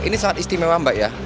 ini sangat istimewa mbak ya